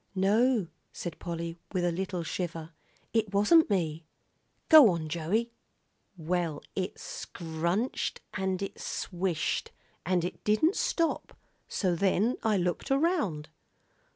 "No," said Polly, with a little shiver, "it wasn't me. Go on, Joey." "Well, it scrunched an' it swished, and it didn't stop, so then I looked around."